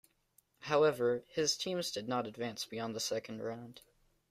However, his teams did not advance beyond the second round.